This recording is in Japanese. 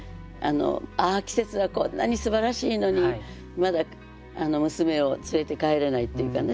ああ季節はこんなにすばらしいのにまだ娘を連れて帰れないっていうかね